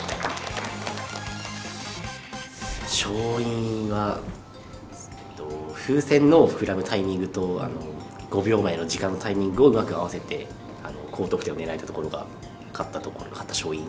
勝因はえっと風船の膨らむタイミングと５秒前の時間のタイミングをうまく合わせて高得点を狙えたところが勝ったところ勝った勝因。